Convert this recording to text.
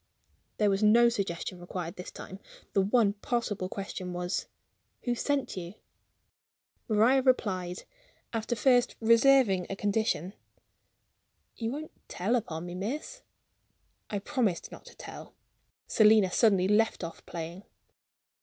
There was no suggestion required this time. The one possible question was: "Who sent you?" Maria replied, after first reserving a condition: "You won't tell upon me, miss?" I promised not to tell. Selina suddenly left off playing.